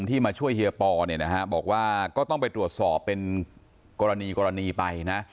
มาช่วยเฮียปอเนี่ยนะฮะบอกว่าก็ต้องไปตรวจสอบเป็นกรณีกรณีไปนะ